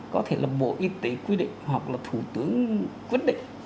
có thể là bộ y tế quy định hoặc là thủ tướng quyết định